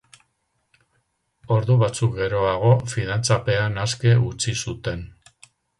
Ordu batzuk geroago, fidantzapean aske utzi zuten.